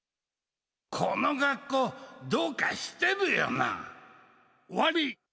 この学校、どうかしてるよな